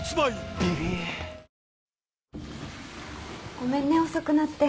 ごめんね遅くなって。